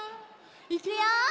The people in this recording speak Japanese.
いくよ！